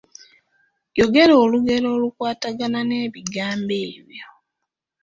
Yogera olugero olukwatagana n’ebigambo ebyo?